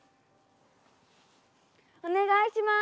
お願いします。